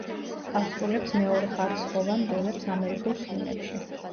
ასრულებს მეორეხარისხოვან როლებს ამერიკულ ფილმებში.